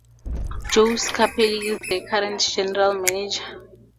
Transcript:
Joe Scarpelli is the current general manager.